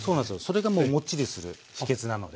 それがもうもっちりする秘けつなので。